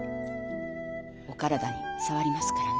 お体に障りますからね。